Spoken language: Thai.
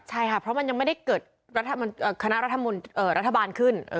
ใช่ค่ะเพราะมันยังไม่ได้เกิดคณะรัฐบาลขึ้น